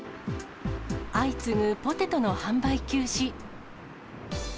相次ぐポテトの販売休止。